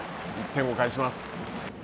１点を返します。